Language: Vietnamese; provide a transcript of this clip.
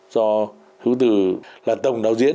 do hữu tử là tổng đạo diễn